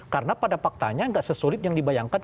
karena pada faktanya gak sesulit yang dibayangkan